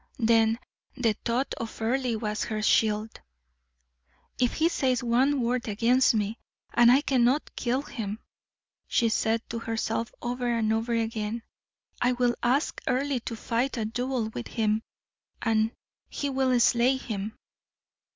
Then the thought of Earle was her shield. "If he says one word against me, and I cannot kill him," she said to herself over and over again, "I will ask Earle to fight a duel with him, and he will slay him!"